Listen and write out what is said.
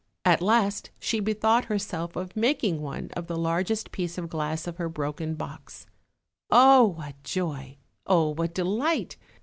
At last she bethought herself of making one of the largest piece of glass of her broken box. Oh, what joy! oh, what delight!